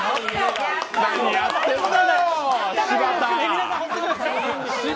何やってんだよ、柴田。